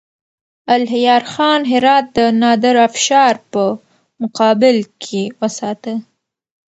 الهيار خان هرات د نادرافشار په مقابل کې وساته.